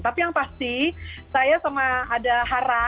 tapi yang pasti saya sama ada hara